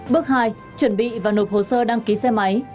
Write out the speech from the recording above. bước hai chuẩn bị và nộp hồ sơ đăng ký xe máy